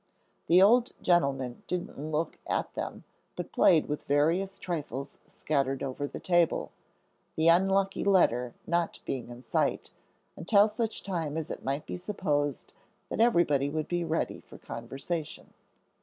The old gentleman didn't look at them, but played with various trifles scattered over the table, the unlucky letter not being in sight, until such time as it might be supposed that everybody would be ready for conversation.